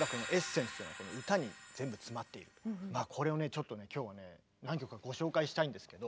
ちょっと今日はね何曲かご紹介したいんですけど。